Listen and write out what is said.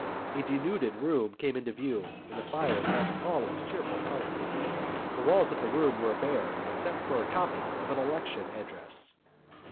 A denuded room came into view and the fire lost all its cheerful colour. The walls of the room were bare except for a copy of an election address.